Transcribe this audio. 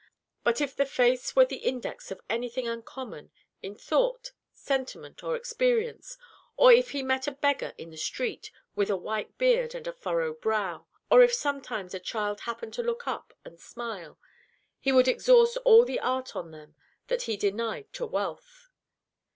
But if the face were the index of anything uncommon, in thought, sentiment, or experience; or if he met a beggar in the street, with a white beard and a furrowed brow; or if sometimes a child happened to look up and smile; he would exhaust all the art on them that he denied to wealth.